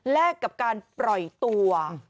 แลกกับการปล่อยตัว